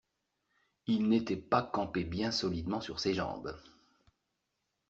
Il n'était pas campé bien solidement sur ses jambes.